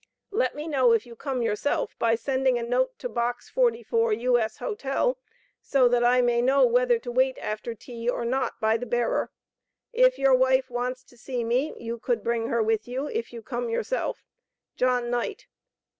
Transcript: let me no if you come your self by sending a note to box 44 U.S. Hotel so that I may know whether to wate after tea or not by the Bearer. If your wife wants to see me you cold bring her with you if you come your self. JOHN KNIGHT.